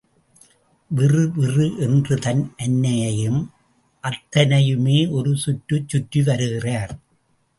விறு விறு என்று தன் அன்னையையும் அத்தனையுமே ஒரு சுற்றுச் சுற்றி வருகிறார்.